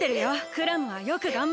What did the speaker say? クラムはよくがんばった。